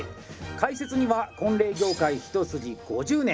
解説には婚礼業界一筋５０年！